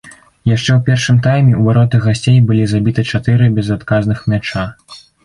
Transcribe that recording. Яшчэ ў першым тайме ў вароты гасцей былі забіты чатыры безадказных мяча.